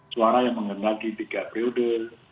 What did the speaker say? suara yang mengenal di tiga periode